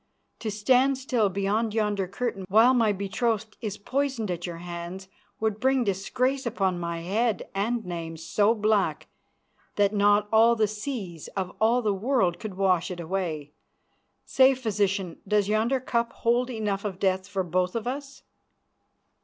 To stand still behind yonder curtain while my betrothed is poisoned at your hands would bring disgrace upon my head and name so black that not all the seas of all the world could wash it away. Say, Physician, does yonder cup hold enough of death for both of us?"